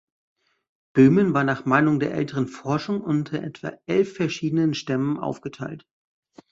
Böhmen war nach Meinung der älteren Forschung unter etwa elf verschiedenen Stämmen aufgeteilt.